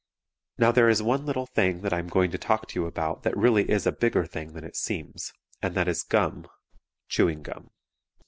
Now there is one little thing I am going to talk to you about that really is a bigger thing than it seems and that is gum chewing gum.